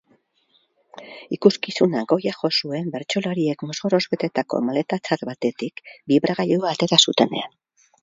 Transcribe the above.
Ikuskizunak goia jo zuen bertsolariek mozorroz betetako maletatzar batetik bibragailua atera zutenean.